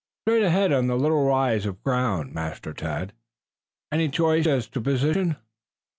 "Straight ahead on the little rise of ground, Master Tad." "Any choice as to position?"